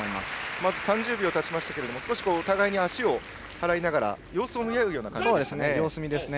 まず３０秒たちましたが少し、お互いに足を払いながら様子を見合うような感じでしたね。